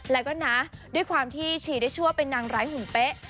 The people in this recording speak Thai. แล้วก็นะด้วยความที่ชีได้ชื่อว่าเป็นนางร้ายหุ่นเป๊ะ